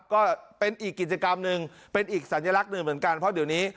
ก็เป็นอีกกิจกรรมหนึ่งเป็นอีกสัญลักษณ์หนึ่งเหมือนกันเพราะเดี๋ยวนี้